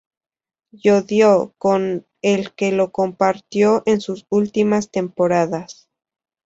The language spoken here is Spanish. Llodio, con el que lo compartió en sus últimas temporadas.